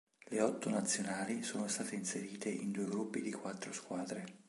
Le otto nazionali sono state inserite in due gruppi di quattro squadre.